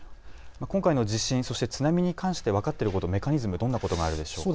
今回の地震、そして津波に関して分かっていること、メカニズム、どんなことがありますか。